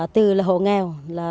từ hộ nghèo